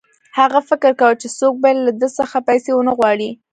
هغه فکر کاوه چې څوک باید له ده څخه پیسې ونه غواړي